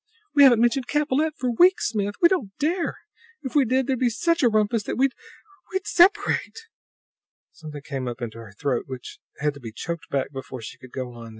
"We haven't mentioned Capellette for weeks, Smith! We don't dare! If we did, there'd be such a rumpus that we we'd separate!" Something came up into her throat which had to be choked back before she could go on.